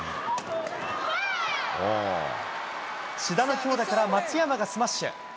志田の京田から松山がスマッシュ。